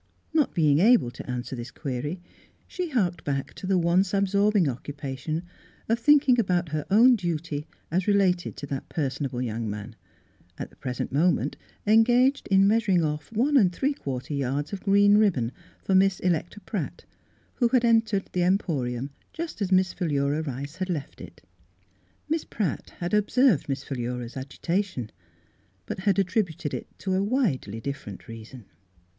Not being able to answer this query, she harked back to the once absorbing oc cupation of thinking about her own duty, as related to that personable young man, at the present moment engaged in measur ing off one and three quarters yards of green ribbon for Miss Electa Pratt, wha had entered the Emporium just as Miss Philura Rice had left it. Miss Pratt had observed Miss Philura's agitation, but had attributed it to a widely different reason.